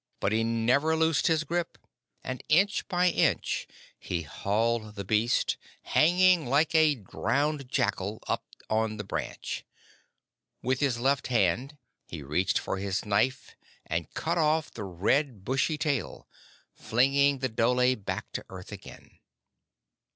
But he never loosed his grasp, and inch by inch he hauled the beast, hanging like a drowned jackal, up on the branch. With his left hand he reached for his knife and cut off the red, bushy tail, flinging the dhole back to earth again.